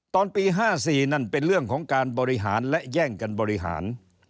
ตอนปี๕๔นั่นเป็นเรื่องของการบริหารและแย่งกันบริหาร